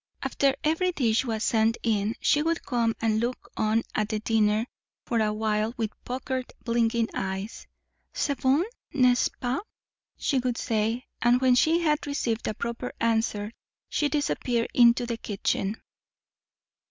After every dish was sent in, she would come and look on at the dinner for a while, with puckered, blinking eyes. 'C'est bon, n'est ce pas?' she would say; and when she had received a proper answer, she disappeared into the kitchen.